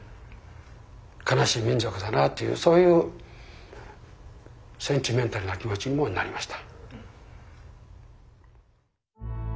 悲しい民族だなというそういうセンチメンタルな気持ちにもなりました。